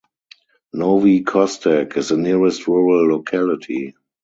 Novy Kostek is the nearest rural locality.